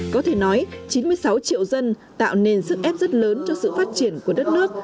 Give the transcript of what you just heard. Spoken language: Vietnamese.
có thể nói chín mươi sáu triệu dân tạo nên sức ép rất lớn cho sự phát triển của đất nước